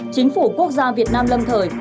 chính phủ quốc gia việt nam lâm thời